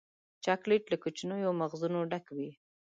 چاکلېټ له کوچنیو مغزونو ډک وي.